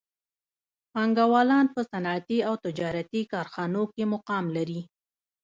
بانکوالان په صنعتي او تجارتي کارخانو کې مقام لري